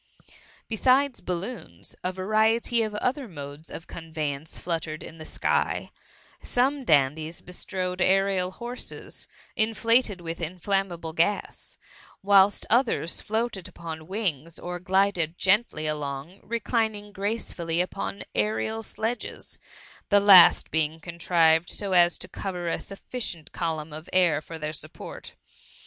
Besides balloons, a variety ci other modes of conveyance fluttered in the sky* Some dandies bestrode aerial horses, inflated wHh inflammable gas; whilst others floated upon wings, or glided gently along, reclining gracefully upon aerial sledges, the last being contrived so as to cover a sufficient column of air for their support.